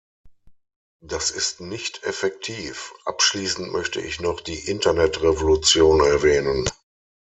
Das ist nicht effektiv. Abschließend möchte ich noch die Internet-Revolution erwähnen.